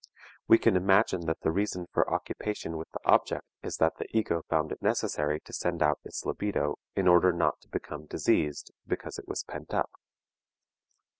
We can imagine that the reason for occupation with the object is that the ego found it necessary to send out its libido in order not to become diseased because it was pent up.